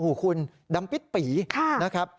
โอ้คุณดำปิดปี่นะครับดำปิดปี่ค่ะ